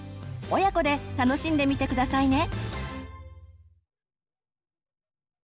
親子で楽しんでみて下さいね。